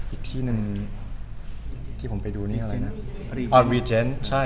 อีกที่หนึ่งที่ผมไปดูเนี่ยอะไรนะ